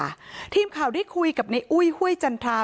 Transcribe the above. เพลงที่สุดท้ายเสียเต้ยมาเสียชีวิตค่ะ